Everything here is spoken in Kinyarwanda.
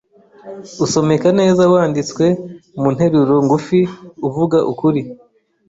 Usomeka neza wanditswe mu nteruro ngufiUvuga ukuri